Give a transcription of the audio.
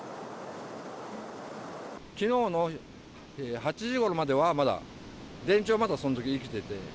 きのうの８時ごろまではまだ、電柱はまだそのとき生きてて。